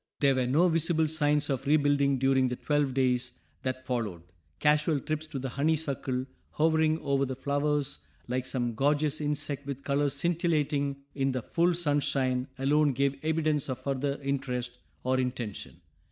There were no visible signs of rebuilding during the twelve days that followed; casual trips to the honeysuckle, hovering over the flowers like some gorgeous insect with colors scintillating in the full sunshine, alone gave evidence of further interest or intention.